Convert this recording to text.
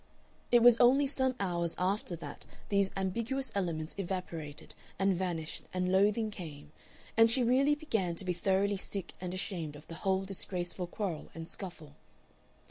It was only some hours after that these ambiguous elements evaporated and vanished and loathing came, and she really began to be thoroughly sick and ashamed of the whole disgraceful quarrel and scuffle.